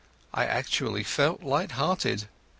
I actually felt light hearted.